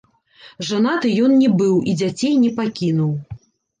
Жанаты ён не быў і дзяцей не пакінуў.